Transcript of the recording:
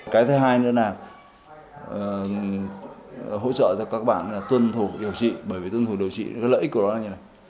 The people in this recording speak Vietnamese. cái thứ hai nữa là hỗ trợ cho các bạn tuân thủ điều trị bởi vì tuân thủ điều trị lợi ích của nó là như này